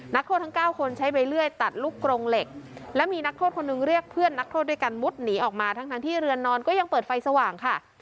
นักโทษทั้ง๙คนใช้ใบเลื่อยตัดลูกกรงเหล็กและมีนักโทษคนหนึ่งเรียกเพื่อนนักโทษด้วยกันมุดหนีออกมาทั้งที่เรือนนอนก็ยังเปิดไฟสว่างค่ะ